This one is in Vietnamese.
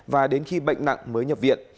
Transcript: và đến khi bệnh nặng mới nhập viện